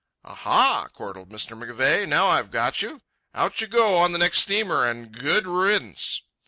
"Ah, ha!" chortled Mr. McVeigh. "Now I've got you! Out you go on the next steamer and good riddance!"